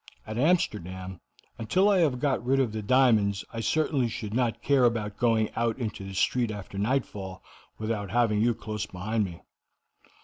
At Amsterdam, until I have got rid of the diamonds I certainly should not care about going out into the street after nightfall without having you close behind me."